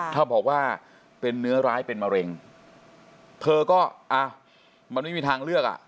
ถ้าบอกว่าเป็นเนื้อร้ายเป็นมะเร็งเธอก็อ่ะมันไม่มีทางเลือกอ่ะ